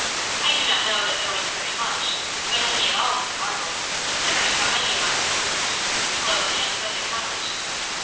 I do not know that there was very much, but any at all was a marvel, considering how many of us there were to feed, clothe, and send to college.